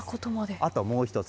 あと、もう１つ。